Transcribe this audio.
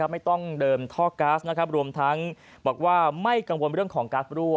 ไม่ต้องเดิมท่อก๊าซรวมทั้งบอกว่าไม่กังวลเรื่องของก๊าซรั่ว